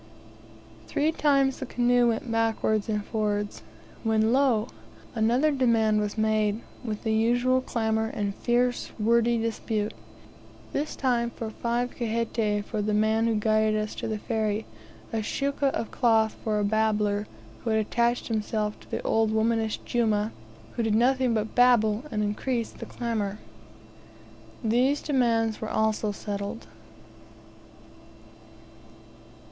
Three times the canoes went backwards and forwards, when, lo! another demand was made, with the usual clamour and fierce wordy dispute; this time for five khete # for the man who guided us to the ferry, a shukka of cloth for a babbler, who had attached himself to the old womanish Jumah, who did nothing but babble and increase the clamor. These demands were also settled.